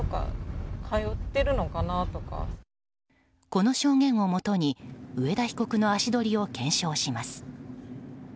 この証言をもとに上田被告の足取りを検証します。